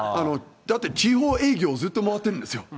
だって、地方営業、ずっと回ってるんですよ。